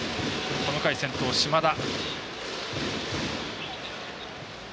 この回、先頭は島田。